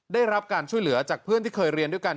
ได้รับการช่วยเหลือจากเพื่อนที่เคยเรียนด้วยกัน